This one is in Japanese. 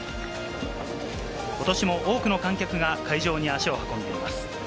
ことしも多くの観客が会場に足を運んでいます。